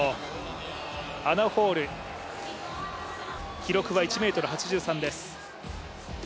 アナ・ホール、記録は１ｍ８３です。